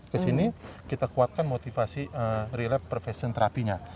ke sini kita kuatkan motivasi relapse prevention terapinya